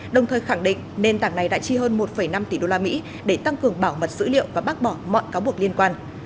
đồng thời khẳng định nền tảng này đã chi hơn một năm tỷ usd để tăng cường bảo mật dữ liệu và bác bỏ mọi cáo buộc liên quan